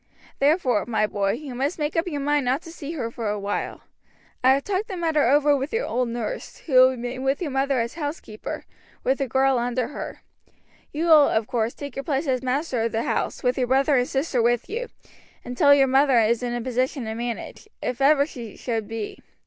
Therefore, my boy, you must make up your mind not to see her for awhile. I have talked the matter over with your old nurse, who will remain with your mother as housekeeper, with a girl under her. You will, of course, take your place as master of the house, with your brother and sister with you, until your mother is in a position to manage if ever she should be.